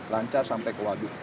lancar sampai ke waduk